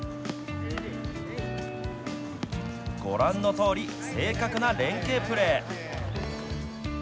ご覧のとおり正確な連係プレー。